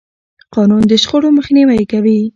قانون د شخړو مخنیوی کوي.